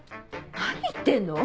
何言ってんの？